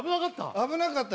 危なかった？